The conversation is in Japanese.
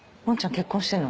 結婚してんの？